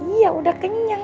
iya udah kenyang